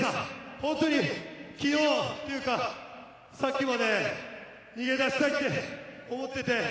本当に昨日というか、さっきまで逃げ出したいって思ってて。